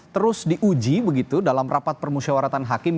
terus diuji begitu dalam rapat permusyawaratan hakim